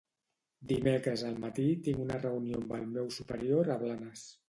Dimecres al matí tinc una reunió amb el meu superior a Blanes.